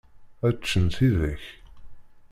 Ad ččen tidak.